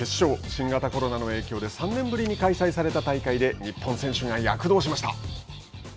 新型コロナの影響で３年ぶりに開催された大会で日本選手が躍動しました。